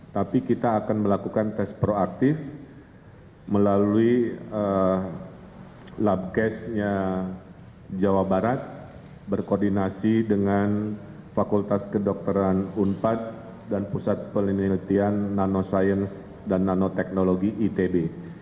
tapi kita akan melakukan tes proaktif melalui labkesnya jawa barat berkoordinasi dengan fakultas kedokteran unpad dan pusat penelitian nanoscience dan nanoteknologi itb